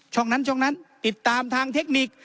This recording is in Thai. ช่องนั้นช่องนั้นติดตามทางเทคนิค